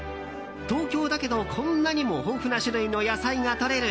東京だけど、こんなにも豊富な種類の野菜がとれる。